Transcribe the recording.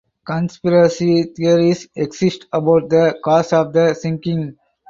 Conspiracy theories exist about the cause of the sinking.